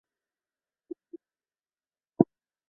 南宋属两浙东路。